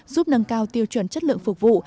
giúp nâng cao tiêu chuẩn chất lượng phục vụ